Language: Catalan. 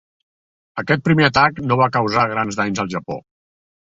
Aquest primer atac no va causar grans danys al Japó.